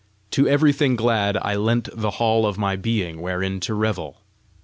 To everything glad I lent the hall of my being wherein to revel.